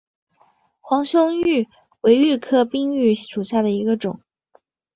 黄胸鹬为鹬科滨鹬属下的一个种。